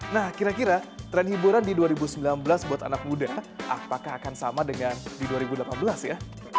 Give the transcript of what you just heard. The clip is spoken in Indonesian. nah kira kira tren hiburan di dua ribu sembilan belas buat anak muda apakah akan sama dengan di dua ribu delapan belas ya